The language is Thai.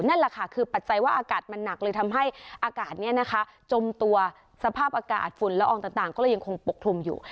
นั่นแหละค่ะคือปัจจัยว่าอากาศมันหนักเลยทำให้อากาศนี้นะคะจมตัวสภาพอากาศฝุ่นละอองต่างก็เลยยังคงปกคลุมอยู่